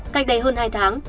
cách đây hơn hai tháng